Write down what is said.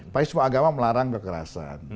tapi semua agama melarang kekerasan